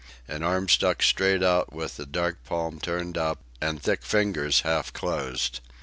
An arm stuck straight out with a dark palm turned up, and thick fingers half closed.